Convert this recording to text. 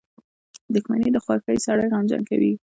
• دښمني د خوښۍ سړی غمجن کوي.